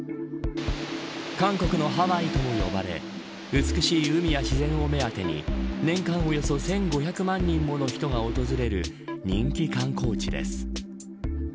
韓国のハワイとも呼ばれ美しい海や自然を目当てに年間およそ１５００万人もの人が訪れる人気観光地です。